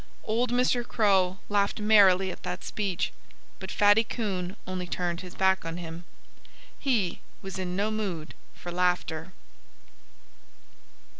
Old Mr. Crow laughed merrily at that speech. But Fatty Coon only turned his back on him. He was in no mood for laughter.